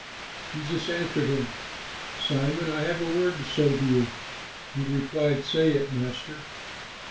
Jesus answered him, "Simon, I have a word to say to you." He replied, "Say it, Master."